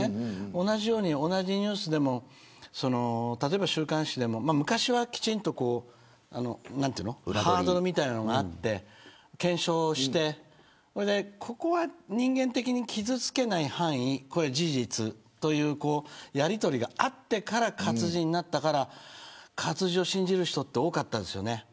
同じように、同じニュースでも例えば週刊誌でも、昔はきちんとハードルみたいなのがあって検証して、ここは人間的に傷付けない範囲、事実というやり取りがあってから活字になったから活字を信じる人って多かったですよね。